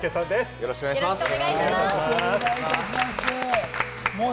よろしくお願いします。